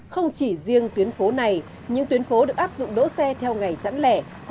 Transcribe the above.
không chỉ riêng tuyến phố này những tuyến phố được áp dụng đỗ xe theo ngày chẵn lẻ